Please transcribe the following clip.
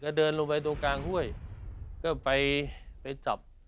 เดินลงไปตรงกลางห้วยก็ไปไปจับ